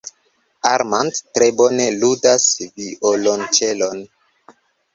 Armand tre bone ludas violonĉelon.